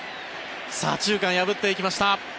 左中間、破っていきました。